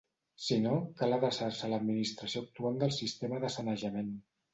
Si no, cal adreçar-se a l'administració actuant del sistema de sanejament.